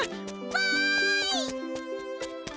わい！